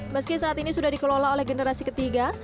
meski saat ini sudah dikelola oleh generasi ketiga